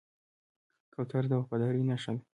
کوتره د وفادارۍ نښه ده.